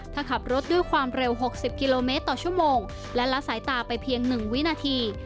ถ้าขับรถด้วยความเร็ว๖๐กิโลเมตรต่อชั่วโมงและละสายตาไปเพียง๑วินาที